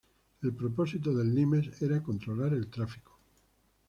El propósito del limes era controlar el tráfico.